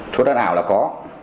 thuốc đất ảo là có